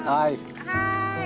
はい。